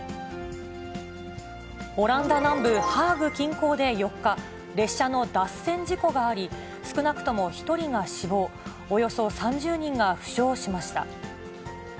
オランダ南部ハーグ近郊で４日、列車の脱線事故があり、少なくとも１人が死亡、およそ３０人が負傷しました。